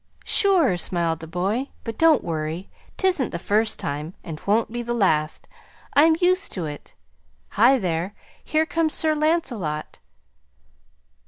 "Sure!" smiled the boy. "But don't worry. Tisn't the first time and 'twon't be the last. I'm used to it. Hi, there! here comes Sir Lancelot."